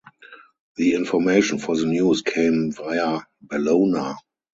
The information for the news came via "Bellona".